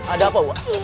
ada apa wak